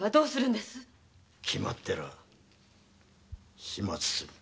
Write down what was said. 決まってら始末する。